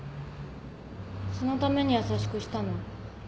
そのために優しくしたの？